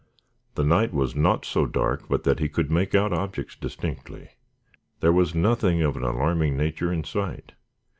The night was not so dark but that he could make out objects distinctly. There was nothing of an alarming nature in sight.